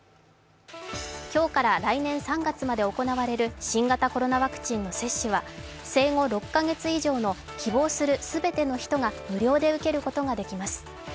今日から来年３月まで行われる新型コロナワクチンの接種は生後６か月以上の希望する全ての人が無料で受けることができます。